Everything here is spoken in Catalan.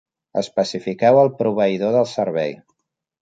Especifiqueu el proveïdor del servei.